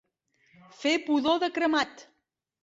Fer pudor de cremat.